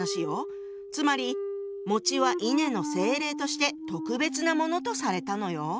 つまりは稲の精霊として特別なものとされたのよ。